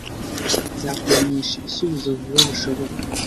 Nzakumenyesha ibisubizo vuba bishoboka.